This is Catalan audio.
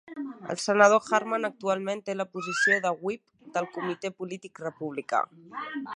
El senador Harman actualment té la posició de "whip" del comitè polític republicà.